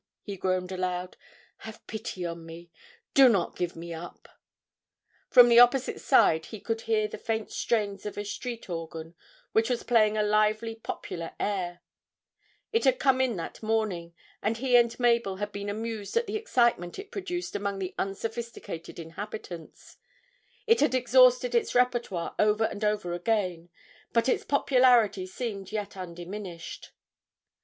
he groaned aloud, 'have pity on me do not give me up!' From the opposite side he could hear the faint strains of a street organ which was playing a lively popular air; it had come in that morning, and he and Mabel had been amused at the excitement it produced amongst the unsophisticated inhabitants; it had exhausted its répertoire over and over again, but its popularity seemed yet undiminished.